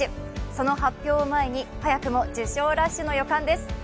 その発表を前に、早くも受賞ラッシュの予感です。